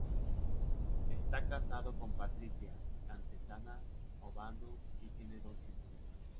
Está casado con Patricia Antezana Ovando y tiene dos hijos.